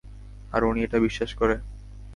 আর উনি এটা বিশ্বাস করে?